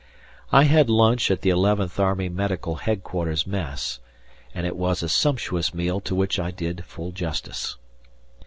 I had lunch at the 11th Army Medical Headquarters Mess, and it was a sumptuous meal to which I did full justice.